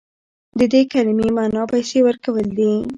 د دې کلمې معنی پیسې ورکول دي.